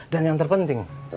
dan yang terpenting